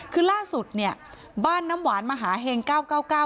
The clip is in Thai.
คือล่าสุดเนี่ยบ้านน้ำหวานมหาเห็งเก้าเก้าเก้า